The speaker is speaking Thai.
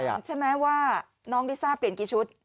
คุณถูกถามใช่มะว่าน้องลิซ่าเปลี่ยนกี่ชุด